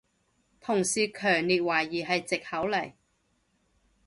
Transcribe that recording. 同事強烈懷疑係藉口嚟